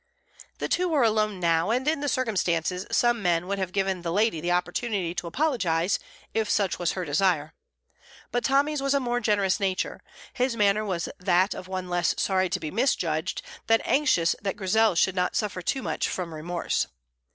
The two were alone now, and in the circumstances some men would have given the lady the opportunity to apologize, if such was her desire. But Tommy's was a more generous nature; his manner was that of one less sorry to be misjudged than anxious that Grizel should not suffer too much from remorse.